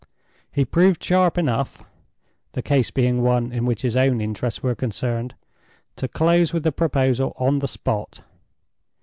He proved sharp enough (the case being one in which his own interests were concerned) to close with the proposal on the spot.